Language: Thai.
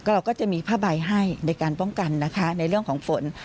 เราก็จะมีผ้าใบให้ในการป้องกันนะคะในเรื่องของฝน